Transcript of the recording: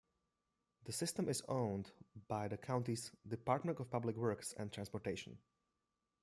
The system is owned by the county's Department of Public Works and Transportation.